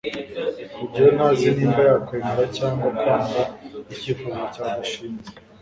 rugeyo ntazi niba yakwemera cyangwa kwanga icyifuzo cya gashinzi